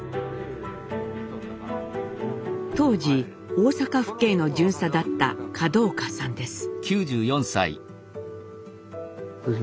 当時大阪府警の巡査だった門岡さんです。